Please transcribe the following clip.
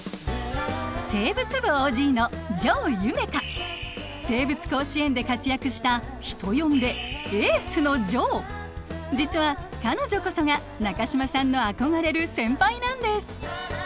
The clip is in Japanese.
生物部ＯＧの生物甲子園で活躍した人呼んで「エースのジョー」。実は彼女こそが中島さんの憧れる先輩なんです。